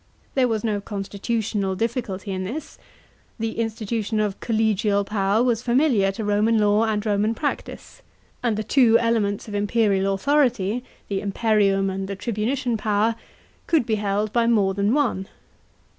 There was no con stitutional difficulty in this. The institution of collegia! power was familiar to Roman law and Roman practice ; and the two elements of the imperial authority — the imperium and the tribu nician power— could be held by more than one.